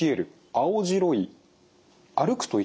・青白い・歩くと痛む。